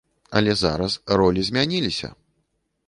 Але зараз ролі змяніліся!